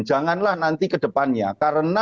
janganlah nanti ke depannya karena